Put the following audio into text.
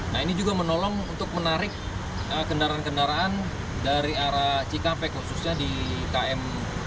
nah ini juga menolong untuk menarik kendaraan kendaraan dari arah cikampek khususnya di km